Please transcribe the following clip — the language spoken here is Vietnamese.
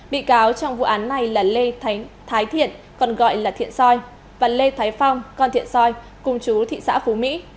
bị cáo trong vụ án này là lê thái thiện còn gọi là thiện soi và lê thái phong con thiện soi cùng chú thị xã phú mỹ